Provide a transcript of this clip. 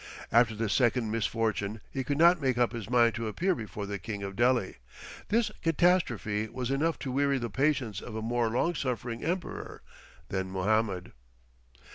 After this second misfortune he could not make up his mind to appear before the King of Delhi. This catastrophe was enough to weary the patience of a more long suffering emperor than Mohammed.